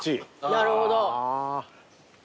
なるほど。